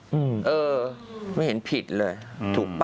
เออไม่เห็นผิดเลยถูกป่